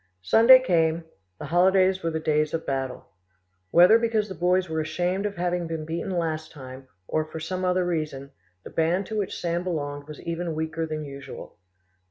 Sunday came: the holidays were the days of battle. Whether because the boys were ashamed of having been beaten last time, or for some other reason, the band to which Sand belonged was even weaker than usual.